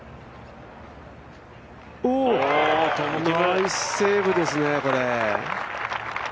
ナイスセーブですね、これ！